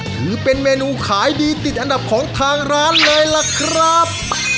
ถือเป็นเมนูขายดีติดอันดับของทางร้านเลยล่ะครับ